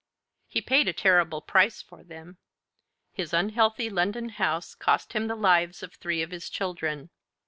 He paid a terrible price for them: his unhealthy London house cost him the lives of three of his children.